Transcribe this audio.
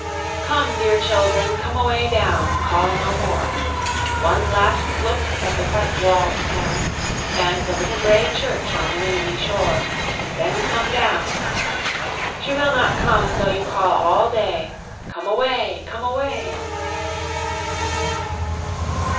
Come, dear children, come away down; Call no more! One last look at the white wall'd town, And the little gray church on the windy shore; Then come down! She will not come though you call all day; Come away, come away!